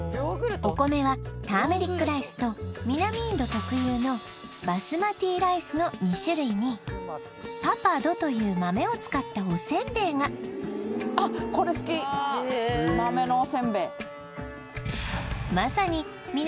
お米はターメリックライスと南インド特有のバスマティライスの２種類にパパドという豆を使ったおせんべいがあっ豆のおせんべい